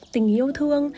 tình yêu thương